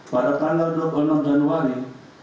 pada tanggal dua puluh enam januari